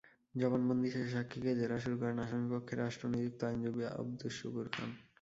জবানবন্দি শেষে সাক্ষীকে জেরা শুরু করেন আসামিপক্ষে রাষ্ট্রনিযুক্ত আইনজীবী আবদুস শুকুর খান।